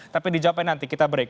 tapi dijawabkan nanti kita break